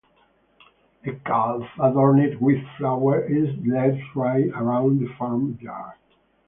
A calf adorned with flowers is led thrice around the farmyard.